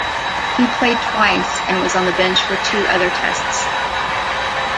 He played twice, and was on the bench for two other Tests.